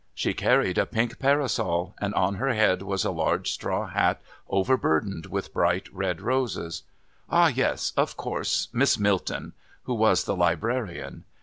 She carried a pink parasol, and on her head was a large straw hat overburdened with bright red roses. Ah, yes! Of course! Miss Milton who was the Librarian.